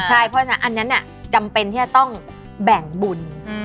ใช่เพราะอันนั้นจำเป็นที่จะต้องแบ่งบุญ